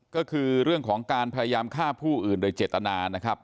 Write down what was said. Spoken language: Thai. ก็คือเรื่องของการพยายามฆ่าผู้อื่นโดยเจตนานะครับ